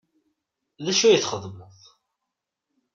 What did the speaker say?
D acu ay txeddmeḍ?